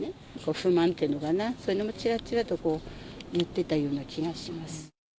不満っていうのかな、そういうのもちらちらと言ってたような気がします。